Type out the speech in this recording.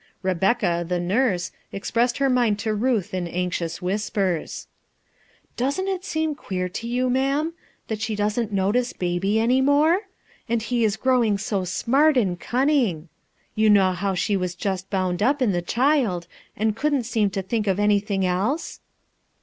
Rebecca, the nurse, expressed her mind to Ruth in anxious whispers. "Doesn't it seem queer to you, ma'am, that she doesn't notice baby more? and he growing so smart and cunning ! You know how she was just bound up in the child, and couldn't seem to think of anything else?"